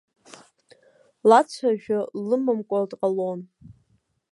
Лацәажәа лымамкәа дҟалон.